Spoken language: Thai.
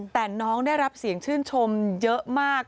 แต่น้องได้รับเสียงชื่นชมเยอะมาก